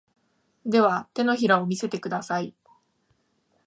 では、手のひらを見せてください。